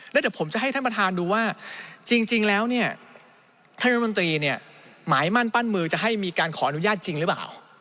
แล้วเดี๋ยวผมจะให้ท่านประธานดูว่าจริงแล้วเนี่ยท่านรัฐมนตรีเนี่ยหมายมั่นปั้นมือจะให้มีการขออนุญาตจริงหรือเปล่า